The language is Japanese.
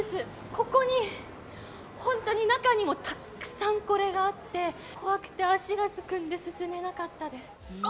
ここに、本当に中にもたくさんこれがあって、怖くて足がすくんで進めなかったです。